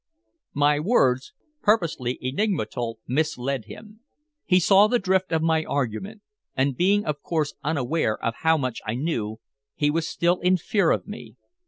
My words, purposely enigmatical, misled him. He saw the drift of my argument, and being of course unaware of how much I knew, he was still in fear of me.